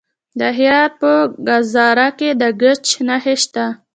د هرات په ګذره کې د ګچ نښې شته.